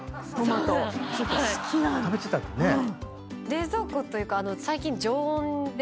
冷蔵庫というか最近。